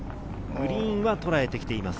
グリーンは捉えてきています。